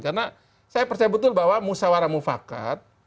karena saya percaya betul bahwa musawarah mufakat